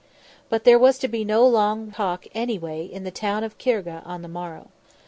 But there was to be no long talk anyway in the town of Khargegh on the morrow.